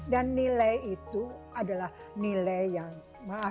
dan nilai itu adalah nilai yang maaf ya terbaik